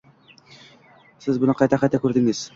Siz buni qayta -qayta ko'rdingiz